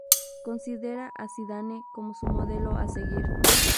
Considera a Zidane como su modelo a seguir.